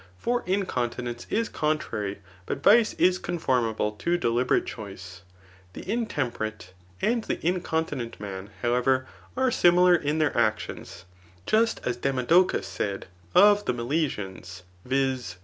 For incontinence is contrary, but vic% is conformable to deliberate choice. The intem perate, and the incontinent man, however, are similar in their actions, just as Demodocus said of the Milesians : viz.